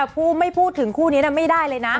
ไม่พูดถึงคู่นี้ไม่ได้เลยนะ